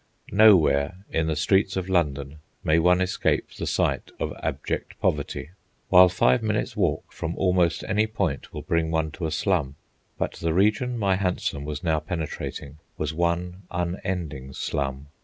Nowhere in the streets of London may one escape the sight of abject poverty, while five minutes' walk from almost any point will bring one to a slum; but the region my hansom was now penetrating was one unending slum.